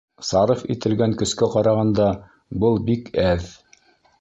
Сарыф ителгән көскә ҡарағанда, был бик әҙ.